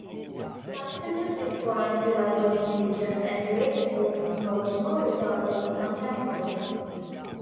Successes required reliable intelligence and raids often brought no result-or sometimes worse.